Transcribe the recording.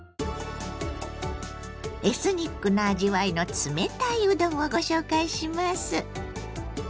エスニックな味わいの冷たいうどんをご紹介します。